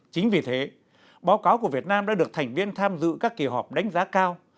chính vì thế báo cáo của việt nam đã được thành viên tham dự các kỳ họp đánh giá cao